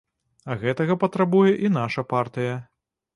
А гэтага патрабуе і наша партыя.